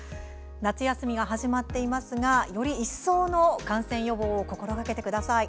夏休みが始まっていますがより一層の感染予防を心がけてください。